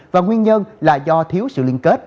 và nguyên nhân là do thiếu sự liên kết